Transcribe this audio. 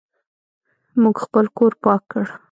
موږ خپل کور پاک کړ.